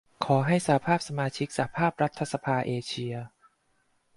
ขอให้สหภาพสมาชิกสหภาพรัฐสภาเอเชีย